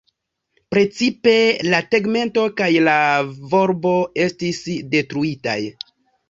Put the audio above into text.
Precipe la tegmento kaj la volbo estis detruitaj.